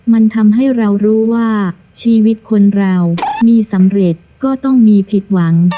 มันทำให้เรารู้ว่าชีวิตคนเรามีสำเร็จก็ต้องมีผิดหวัง